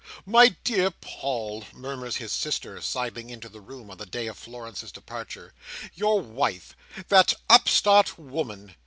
"My dear Paul!" murmurs his sister, sidling into the room, on the day of Florence's departure, "your wife! that upstart woman!